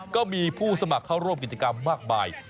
ก็มีผู้สมัครเข้าร่วมกิจกรรมมากมาย